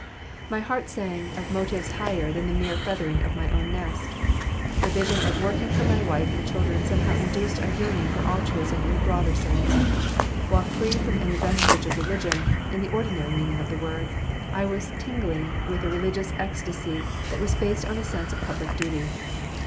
My heart sang of motives higher than the mere feathering of my own nest. The vision of working for my wife and children somehow induced a yearning for altruism in a broader sense. While free from any vestige of religion, in the ordinary meaning of the word, I was tingling with a religious ecstasy that was based on a sense of public duty.